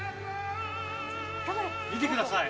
見てください。